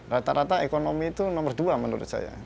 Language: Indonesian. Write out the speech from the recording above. rata rata ekonomi itu nomor dua menurut saya